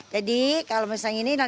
jadi kalau misalnya ini